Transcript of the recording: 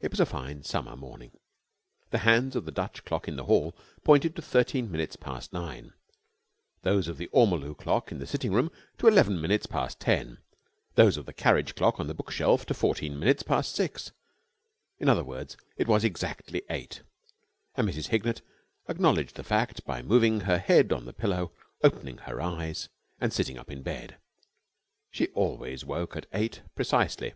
It was a fine summer morning. The hands of the Dutch clock in the hall pointed to thirteen minutes past nine; those of the ormolu clock in the sitting room to eleven minutes past ten; those of the carriage clock on the bookshelf to fourteen minutes to six. In other words, it was exactly eight; and Mrs. Hignett acknowledged the fact by moving her head on the pillow, opening her eyes, and sitting up in bed. She always woke at eight precisely.